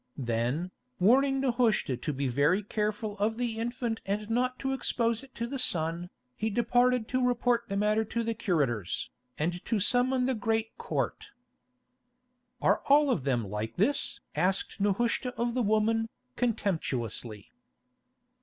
Then, warning Nehushta to be very careful of the infant and not to expose it to the sun, he departed to report the matter to the curators, and to summon the great Court. "Are all of them like this?" asked Nehushta of the woman, contemptuously.